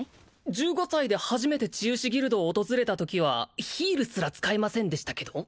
１５歳で初めて治癒士ギルドを訪れたときはヒールすら使えませんでしたけど？